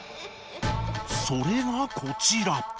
それがこちら。